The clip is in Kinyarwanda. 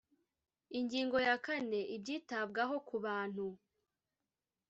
Ingingo ya kane Ibyitabwaho ku bantu